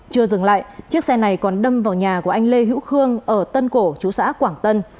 chưa dừng lại chiếc xe này còn đâm vào nhà của anh lê hữu khương ở tân cổ chú xã quảng tân